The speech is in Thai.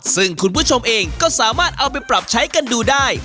ซึ่งคุณผู้ชมเองก็สามารถเอาไปปรับใช้กันดูได้